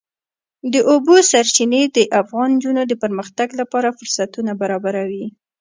د اوبو سرچینې د افغان نجونو د پرمختګ لپاره فرصتونه برابروي.